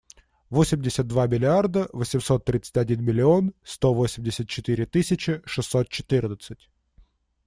Восемьдесят два миллиарда восемьсот тридцать один миллион сто восемьдесят четыре тысячи шестьсот четырнадцать.